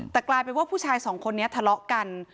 แต่กลายเป็นว่าผู้ชายสองคนนี้ทะเลาะกัน